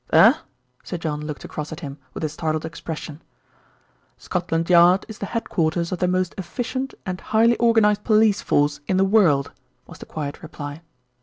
"Eh!" Sir John looked across at him with a startled expression. "Scotland Yard is the head quarters of the most efficient and highly organised police force in the world," was the quiet reply.